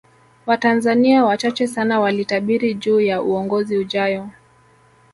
Watanzania wachache sana walitabiri juu ya uongozi ujayo